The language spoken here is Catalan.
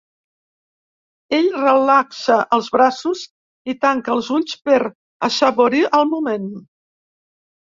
Ell relaxa els braços i tanca els ulls per assaborir el moment.